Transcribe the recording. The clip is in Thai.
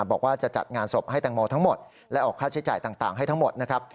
บอกว่าจะจัดงานศพให้แตงโมทั้งหมดและออกค่าใช้จ่ายต่างให้ทั้งหมดนะครับ